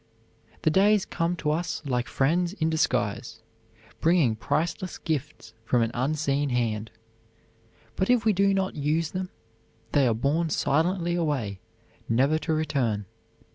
The days come to us like friends in disguise, bringing priceless gifts from an unseen hand; but, if we do not use them, they are borne silently away, never to return.